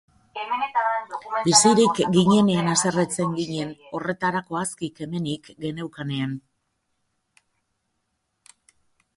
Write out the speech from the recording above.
Bizirik ginenean haserretzen ginen, horretarako aski kemenik geneukanean.